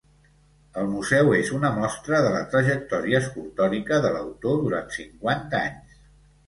El museu és una mostra de la trajectòria escultòrica de l'autor durant cinquanta anys.